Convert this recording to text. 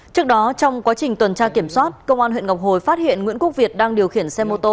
trước đó trong quá trình tuần tra kiểm soát công an huyện ngọc hồi phát hiện nguyễn quốc việt đang điều khiển xe mô tô